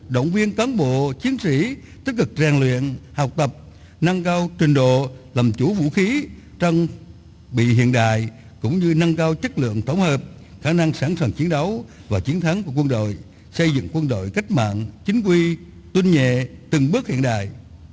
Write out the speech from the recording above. động viên cán bộ chiến sĩ tích cực rèn luyện học tập nâng cao trình độ làm chủ vũ khí trăng bị hiện đại cũng như nâng cao chất lượng tổng hợp khả năng sẵn sàng chiến đấu và chiến thắng của quân đội xây dựng quân đội cách mạng chính quy tuyên nhẹ từng bước hiện đại